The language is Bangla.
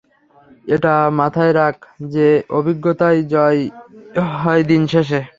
এটা মাথায় রাখ যে অভিজ্ঞতারই জয় হয় দিনশেষে!